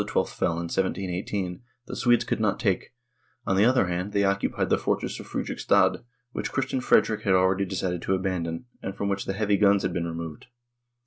fell in 1718) the Swedes could not take ; on the other hand, they occupied the fortress of Fredrikstad, which Christian Frederick had already decided to abandon, and from which the heavy guns had been removed.